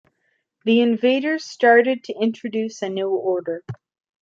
The invaders started to introduce a new order.